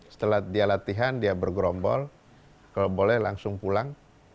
setelah dia latihan dia bergerombol kalau boleh langsung pulang